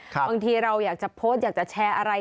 บางทีเราอยากจะโพสต์อยากจะแชร์อะไร